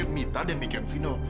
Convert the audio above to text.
maka kamu pikir mita dan mikir fino